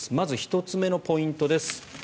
まず１つ目のポイントです。